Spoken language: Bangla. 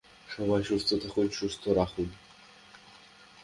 সবাই সুস্থ থাকুন, সুস্থ রাখুন।